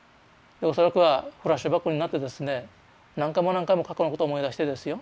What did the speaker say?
恐らくはフラッシュバックになってですね何回も何回も過去のことを思い出してですよ